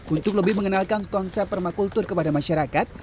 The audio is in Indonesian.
untuk lebih mengenalkan konsep permakultur kepada masyarakat